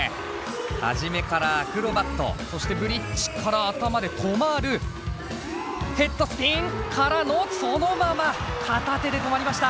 初めからアクロバットそしてブリッジから頭で止まるヘッドスピンからのそのまま片手で止まりました。